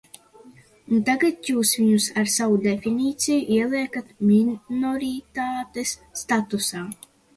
Un tagad jūs viņus ar savu definīciju ieliekat minoritātes statusā.